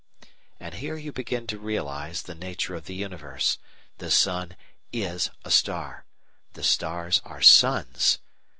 And here you begin to realize the nature of the universe. _The sun is a star. The stars are suns.